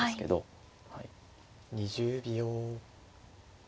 ２０秒。